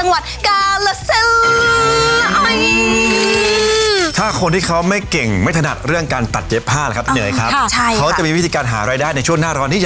วันนี้ผมก็ต้องนอนท่านี้